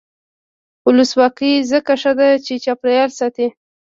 ولسواکي ځکه ښه ده چې چاپیریال ساتي.